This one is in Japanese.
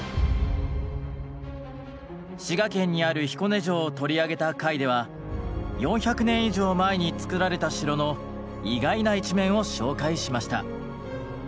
滋賀県にある彦根城を取り上げた回では４００年以上前に造られた城の意外な一面を紹介しました。